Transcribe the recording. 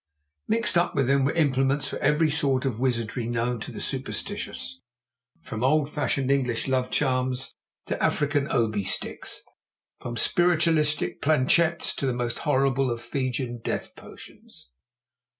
Mixed up with them were implements for every sort of wizardry known to the superstitious; from old fashioned English love charms to African Obi sticks, from spiritualistic planchettes to the most horrible of Fijian death potions.